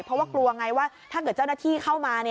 เพราะว่ากลัวไงว่าถ้าเกิดเจ้าหน้าที่เข้ามา